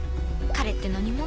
彼って何者？